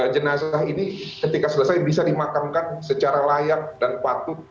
jenazah ini ketika selesai bisa dimakamkan secara layak dan patut